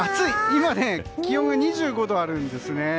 今、気温が２５度あるんですね。